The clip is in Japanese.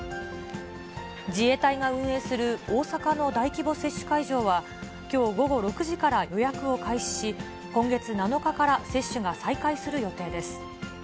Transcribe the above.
自衛隊が運営する大阪の大規模接種会場はきょう午後６時から予約を開始し、今月７日から接種が再開する予定です。